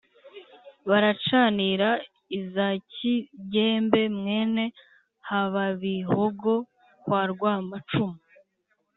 baracanira iza kigembe mwene hababihogo kwa rwamacumu.